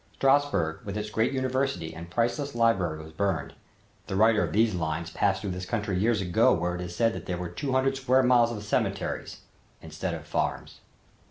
Strassburg with its great university and priceless library was burned. The writer of these lines passed through this country years ago where it is said that there were two hundred square miles of cemeteries instead of farms.